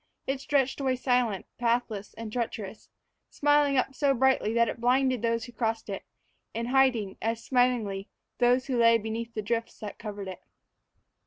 It stretched away silent, pathless, and treacherous, smiling up so brightly that it blinded those who crossed it; and hiding, as smilingly, those who lay beneath the drifts that covered it.